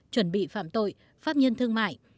chuẩn bị phạm tội pháp nhân thương mại